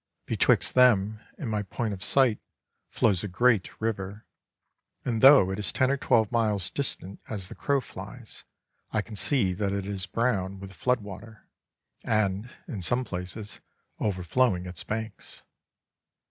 Betwixt them and my point of sight flows a great river, and though it is ten or twelve miles distant as the crow flies, I can see that it is brown with flood water, and, in some places, overflowing its banks.